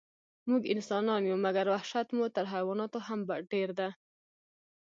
موږ انسانان یو، مګر وحشت مو تر حیواناتو هم ډېر ده.